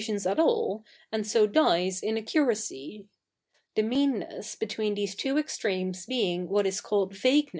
is at all, and so dies in a curacv ; the meanness between these two extremes being what is called vague?